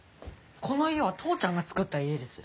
この家は父ちゃんがつくった家です。